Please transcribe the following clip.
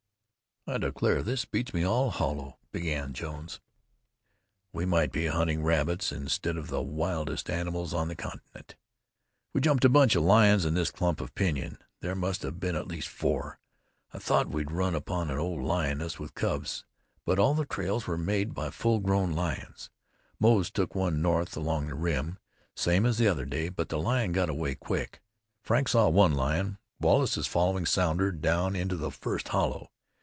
"I declare this beats me all hollow!" began Jones. "We might be hunting rabbits instead of the wildest animals on the continent. We jumped a bunch of lions in this clump of pinyon. There must have been at least four. I thought first we'd run upon an old lioness with cubs, but all the trails were made by full grown lions. Moze took one north along the rim, same as the other day, but the lion got away quick. Frank saw one lion. Wallace is following Sounder down into the first hollow.